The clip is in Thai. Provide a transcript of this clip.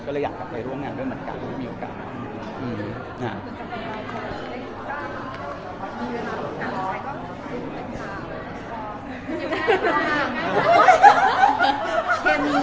ก็เลยอยากกลับไปร่วมงานด้วยเหมือนกันที่มีโอกาส